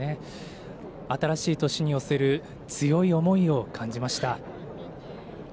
新しい年に寄せる強い思いを感じました。